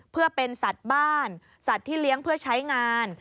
เพื่อเป็นสัตว์บ้านสัตว์ที่เลี้ยงเพื่อใช้งาน